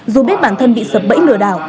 dù biết bản thân bị sập bẫy lừa đảo